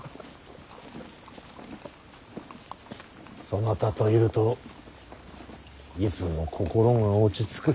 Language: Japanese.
そなたといるといつも心が落ち着く。